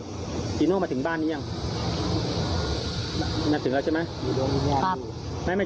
แม่เมจิโน้ขอเจ้าพระพุทธเจ้าบอกเลยครับว่า